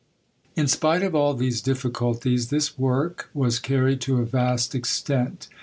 In spite of all these difficulties, this work was carried to a vast extent.